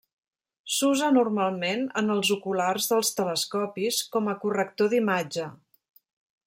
S'usa normalment en els oculars dels telescopis com a corrector d'imatge.